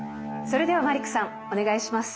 それではマリックさんお願いします。